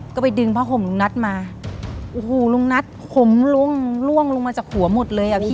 ก็ไปดึงผ้าห่มลุงนัทมาโอ้โหลุงนัทขมลงล่วงล่วงลงมาจากหัวหมดเลยอ่ะพี่